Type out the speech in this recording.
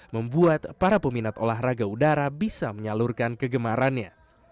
membuat para peminat olahraga udara bisa menyalurkan kegemarannya